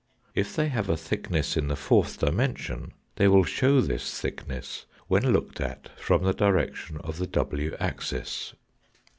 If they have a thickness in the fourth dimension they will show this thickness when looked at from the direction of the iv axis.